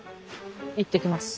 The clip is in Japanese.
行ってきます。